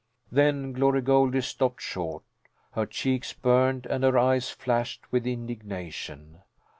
Then Glory Goldie stopped short. Her cheeks burned and her eyes flashed with indignation.